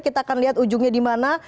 kita akan lihat ujungnya di mana